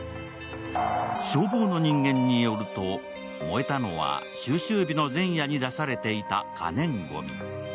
消防の人間によると、燃えたのは収集日の前夜に出されていた可燃ごみ。